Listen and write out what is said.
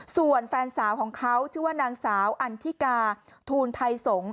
ส่วนแฟนสาวของเขาชื่อว่านางสาวอันทิกาทูลไทยสงศ์